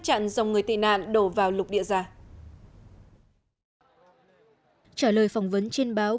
chặn dòng người tị nạn đổ vào lục địa già trả lời phỏng vấn trên báo